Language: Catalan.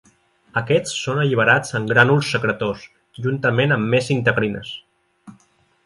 Aquests són alliberats en grànuls secretors, juntament amb més integrines.